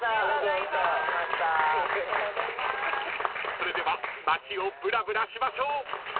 ［それでは街をぶらぶらしましょう］